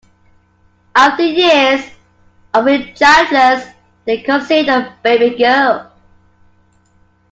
After years of being childless, they conceived a baby girl.